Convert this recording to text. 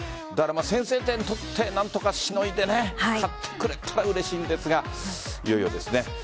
先制点を取って何とかしのいで勝ってくれたらうれしいんですがいよいよですね。